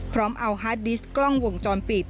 พร้อมเอาฮาร์ดดิสต์กล้องวงจรปิด